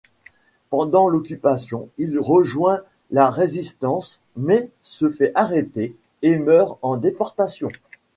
Pendant l'Occupation, il rejoint la Résistance, mais se fait arrêter et meurt en déportation.